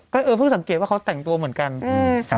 ก็เออเพิ่งสังเกตว่าเขาแต่งตัวเหมือนกัน